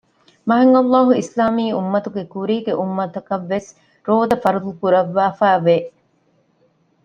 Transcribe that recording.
މާތްﷲ އިސްލާމީ އުއްމަތުގެ ކުރީގެ އުއްމަތަކަށްވެސް ރޯދަ ފަރްޟުކުރައްވާފައި ވެ